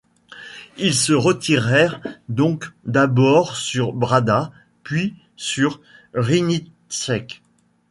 Ils se retirèrent donc d'abord sur Brada, puis sur Rybníček.